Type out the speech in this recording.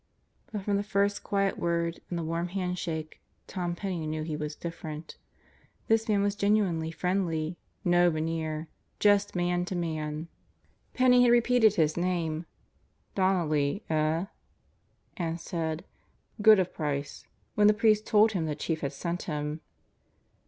But from the first quiet word and the warm hand shake Tom Penney knew he was different. This man was genuinely friendly. No veneer. Just man to man. Penney had repeated his name: "Donnelly, eh?" and said: "Good of Price," when the priest told him the Chief had sent him.